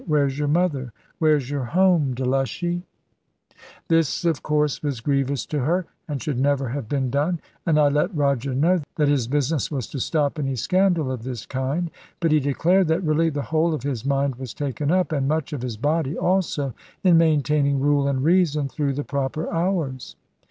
Where's your mother? Where's your home, Delushy?" This, of course, was grievous to her, and should never have been done; and I let Roger know that his business was to stop any scandal of this kind. But he declared that really the whole of his mind was taken up, and much of his body also, in maintaining rule and reason through the proper hours.